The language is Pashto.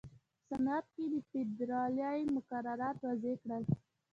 په صنعت کې یې فېدرالي مقررات وضع کړل.